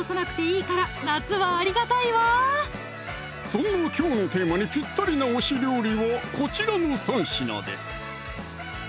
そんなきょうのテーマにぴったりな推し料理はこちらの３品です